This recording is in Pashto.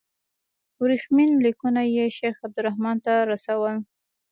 ورېښمین لیکونه یې شیخ عبدالرحیم ته رسول.